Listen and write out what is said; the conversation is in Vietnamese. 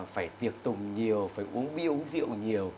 phải tiệc tùng nhiều phải uống bia uống rượu nhiều